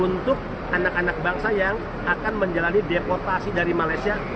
untuk anak anak bangsa yang akan menjalani deportasi dari malaysia